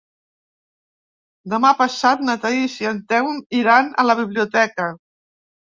Demà passat na Thaís i en Telm iran a la biblioteca.